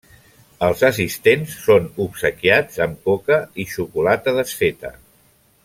Els assistents són obsequiats amb coca i xocolata desfeta.